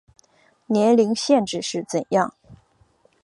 年龄限制是怎样